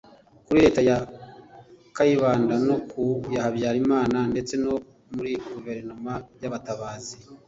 Kuri Leta ya Kayibanda no ku ya Habyarimana ndetse no muri Guverinoma y’Abatabazi